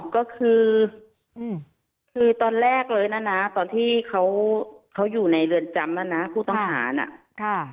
ก็คือคือตอนแรกเลยนะตอนที่เขาอยู่ในเรือนจำแล้วนะผู้ต้องหาน่ะค่ะ